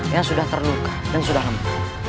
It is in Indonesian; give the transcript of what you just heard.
yang sudah terluka dan sudah lemah